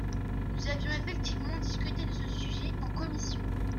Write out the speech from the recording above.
Nous avions effectivement discuté de ce sujet en commission.